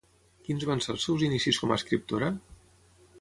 Quins van ser els seus inicis com a escriptora?